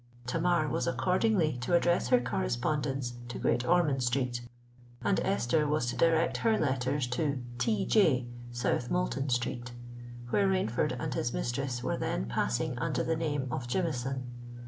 Tamar was accordingly to address her correspondence to Great Ormond Street; and Esther was to direct her letters to "T. J., South Moulton Street," where Rainford and his mistress were then passing under the name of Jameson.